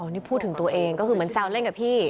นี่พูดถึงตัวเองก็คือเหมือนแซวเล่นกับพี่